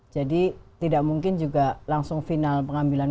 jadi tidak mungkin juga langsung final pengambilan